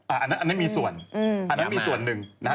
อันนั้นมีส่วนอันนั้นมีส่วนหนึ่งนะฮะ